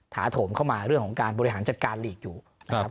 ถาโถมเข้ามาเรื่องของการบริหารจัดการหลีกอยู่นะครับ